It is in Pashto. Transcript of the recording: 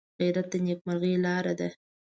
غیرت د نیکمرغۍ لاره ده